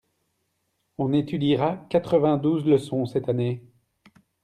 On étudiera quatre vingt-douze leçons cette année.